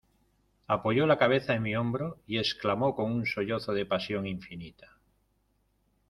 apoyó la cabeza en mi hombro, y exclamó con un sollozo de pasión infinita: